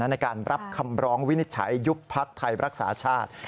ในการรับคำร้องวินิจฉัยยุบพักไทยรักษาชาติ